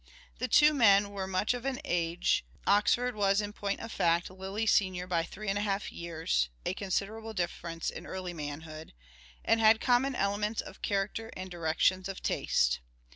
The two men were much of an age (Oxford was, in point of fact, Lyly's senior by three and a half years — a consider able difference in early manhood) and had common elements of character and directions of taste.